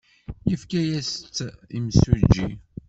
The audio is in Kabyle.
Yefka-as-tt imsujji.